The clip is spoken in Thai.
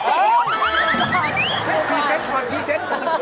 พรีเซ็นต์ก่อนพรีเซ็นต์ก่อน